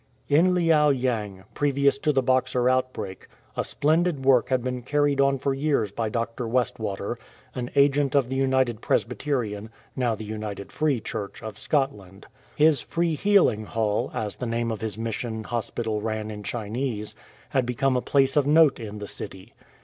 In Liao yang, previous to the Boxer outbreak, a splendid work had been carried on for years by Dr. Westwater, an agent of the United Presbyterian, now the United Free Church of Scotland. His "Free Healing Hall,"'' as the name of his mission hospital ran in Chinese, had become a place of note in the city.